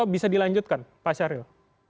bisa dilanjutkan pak syahril